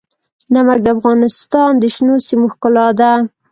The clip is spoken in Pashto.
نمک د افغانستان د شنو سیمو ښکلا ده.